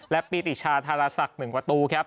และปีติชาธารศักดิ์๑ประตูครับ